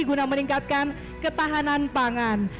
guna meningkatkan ketahanan pangan